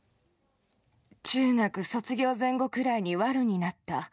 中学卒業前後くらいにワルになった。